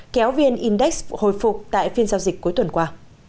kéo viên index hồi phục tại phiên giao dịch cuối tuần qua